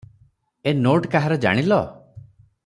"ଏ note କାହାର ଜାଣିଲ?"